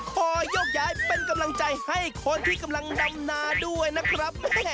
ขอยกย้ายเป็นกำลังใจให้คนที่กำลังดำนาด้วยนะครับ